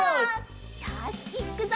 よしいっくぞ！